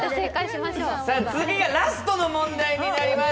次がラストの問題になります。